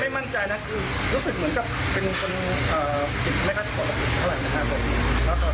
ก็ไม่มั่นใจนะรู้สึกเหมือนกับเป็นคนผิดไหมครับขอบคุณเท่าไหร่นะครับผม